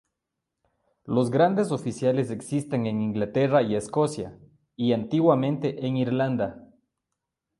Los grandes oficiales existen en Inglaterra y Escocia, y antiguamente en Irlanda.